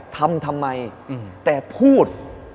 ทำทำไมแต่พูด